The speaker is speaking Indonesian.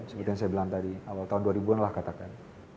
seperti yang saya bilang tadi awal tahun dua ribu an lah katakan